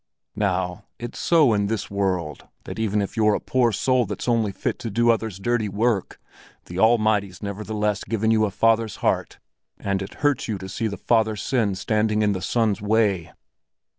Now it's so in this world that even if you're a poor soul that's only fit to do others' dirty work, the Almighty's nevertheless given you a father's heart, and it hurts you to see the father's sin standing in the son's way."